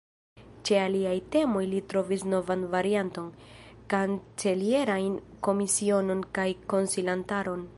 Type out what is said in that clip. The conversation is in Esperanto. Ĉe aliaj temoj li trovis novan varianton: kancelierajn komisionon kaj konsilantaron.